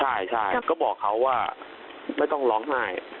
ใช่ก็บอกเขาว่าไม่ต้องร้องไห้